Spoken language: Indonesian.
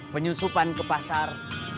penyusupan ke pasar